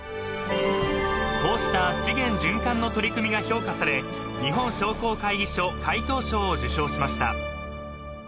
［こうした資源循環の取り組みが評価され日本商工会議所会頭賞を受賞しました］